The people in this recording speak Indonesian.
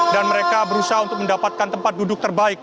dan mereka berusaha untuk mendapatkan tempat duduk terbaik